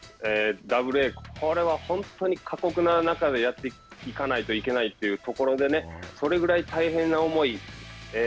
これは本当に過酷な中でやっていかないといけない中でそれぐらい大変な思い